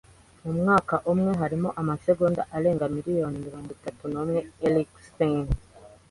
Mu mwaka umwe hari amasegonda arenga miliyoni mirongo itatu n'umwe. (erikspen)